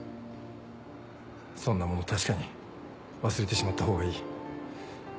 そんなもの確かに忘れてしまった方がいい。